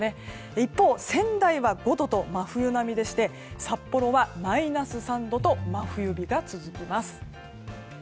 一方、仙台は５度と真冬並みでして札幌はマイナス３度と真冬日が続きます。